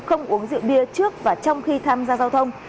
không uống rượu bia trước và trong khi tham gia giao thông